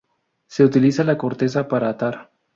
Se utiliza la corteza para atar.